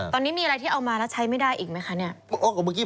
ตอนนี้มีอะไรที่เอามาแล้วใช้ไม่ได้อีกไหมคะเนี่ย